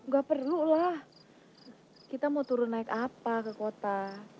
gak perlulah kita mau turun naik apa ke kota